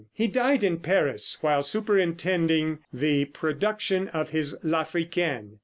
He died in Paris while superintending the production of his "L'Africaine."